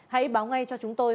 hãy báo ngay cho chúng tôi